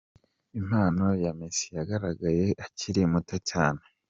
Impano ya Messi yagaragaye akiri muto cyane.